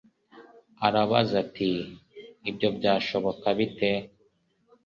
Arabaza ati: “Ibyo byashoboka bite?”